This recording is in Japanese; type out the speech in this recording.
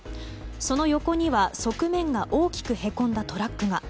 その横には側面が大きくへこんだトラックが。